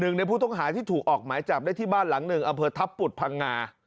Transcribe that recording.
ในผู้ต้องหาที่ถูกออกหมายจับได้ที่บ้านหลังหนึ่งอำเภอทัพปุดพังงา